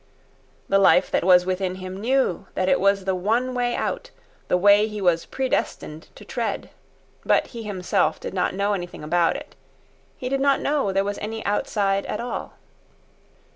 The life that was within him knew that it was the one way out, the way he was predestined to tread. But he himself did not know anything about it. He did not know there was any outside at all.